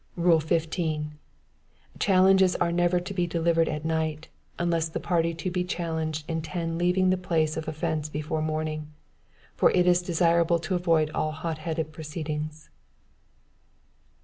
"Rule 15. Challenges are never to be delivered at night, unless the party to be challenged intend leaving the place of offence before morning; for it is desirable to avoid all hot headed proceedings.